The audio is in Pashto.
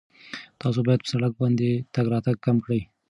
تاسو باید په سړک باندې تګ راتګ کم کړئ.